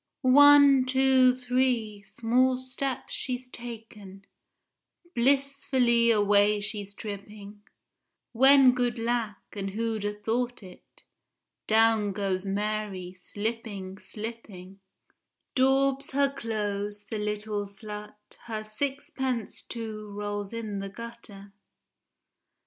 One, two, three, small steps she's taken, Blissfully away she's tripping, When good lack, and who'd a thought it, Down goes Mary, slipping, slipping; Daubs her clothes, the little slut—her Sixpence, too, rolls in the gutter.